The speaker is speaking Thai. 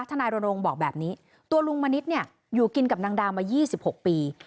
นายรณรงค์บอกแบบนี้ตัวลุงมณิษฐ์เนี่ยอยู่กินกับนางดาวมา๒๖ปี